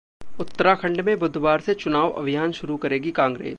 उत्तराखंड में बुधवार से चुनाव अभियान शुरू करेगी कांग्रेस